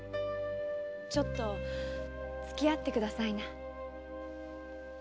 ちょっとつきあってくださいな。